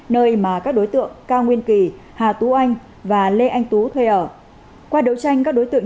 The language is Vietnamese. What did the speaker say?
nơi mà các đối tượng cao nguyên kỳ hà tú anh và lê anh tú thuê ở qua đấu tranh các đối tượng